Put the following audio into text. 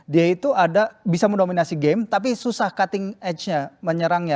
dia itu ada bisa mendominasi game tapi susah cutting age nya menyerangnya